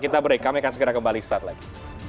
kita break kami akan segera kembali saat lagi